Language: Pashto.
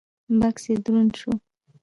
بکس يې دروند شو.